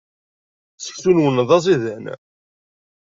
Seksu-nwent d aẓidan.